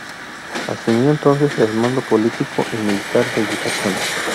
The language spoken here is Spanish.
Asumió entonces el mando político y militar de Yucatán.